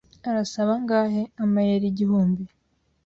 "Arasaba angahe?" "Amayero igihumbi."